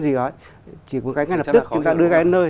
gì đó chỉ có cái ngay lập tức chúng ta đưa ra đến nơi